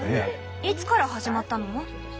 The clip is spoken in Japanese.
いつから始まったの？